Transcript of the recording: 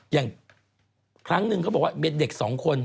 อย่างครั้งนึงเขาบอกว่ามีเด็กสองคน